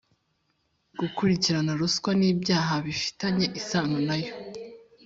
gukurikirana ruswa n’ibyaha bifitanye isano nayo;